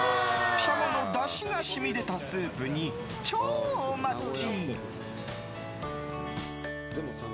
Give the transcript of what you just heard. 軍鶏のだしが染み出たスープに超マッチ！